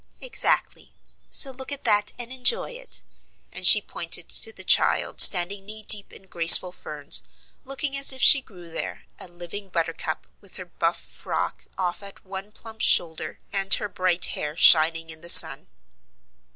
"Exactly, so look at that and enjoy it," and she pointed to the child standing knee deep in graceful ferns, looking as if she grew there, a living buttercup, with her buff frock off at one plump shoulder and her bright hair shining in the sun.